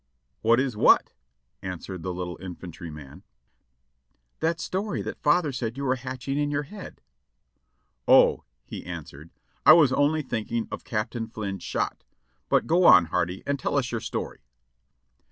"What is what?" answered the little infantryman. . "That story that father said you were hatching in your head." "O," he answered, "I was only thinking of Captain Flynn's shot. But go on, Hardy, and tell us your story."